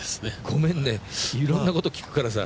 ごめんねいろんなこと聞くからさ。